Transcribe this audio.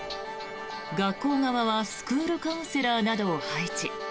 学校側はスクールカウンセラーなどを配置。